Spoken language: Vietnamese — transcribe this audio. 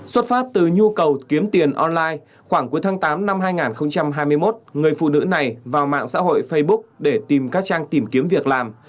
xuất phát từ nhu cầu kiếm tiền online khoảng cuối tháng tám năm hai nghìn hai mươi một người phụ nữ này vào mạng xã hội facebook để tìm các trang tìm kiếm việc làm